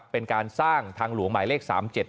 เป็นการสร้างทางหลวงหมายเลข๓๗